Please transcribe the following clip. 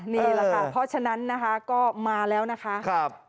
นี่แหละค่ะเพราะฉะนั้นนะคะก็มาแล้วนะคะ